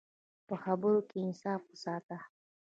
په خبرو کې انصاف وساته.